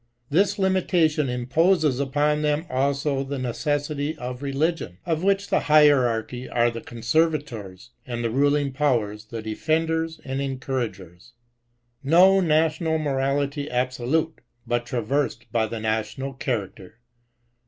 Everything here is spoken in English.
This limitation imposes upon them also the necessity of religion, of which the hierarchy are the Conservators, and the ruling powers the defenders and encouragers. No national morality absolute, but traversed by the national character.